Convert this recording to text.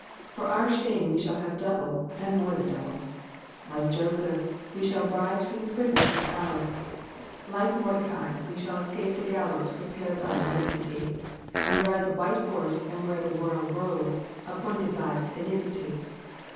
For our shame we shall have double, and more than double. Like Joseph we shall rise from the prison \o the palace, like Mordecai we shall escape the gallows prepared by malignity, and ride the white horse and wear the royal robe appomted by benigflity.